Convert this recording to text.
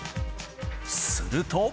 すると。